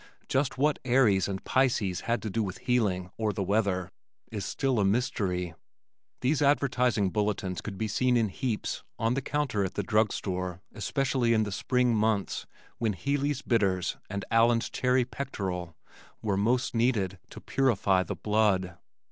Just what "Aries" and "Pisces" had to do with healing or the weather is still a mystery. These advertising bulletins could be seen in heaps on the counter at the drug store especially in the spring months when "Healey's Bitters" and "Allen's Cherry Pectoral" were most needed to "purify the blood."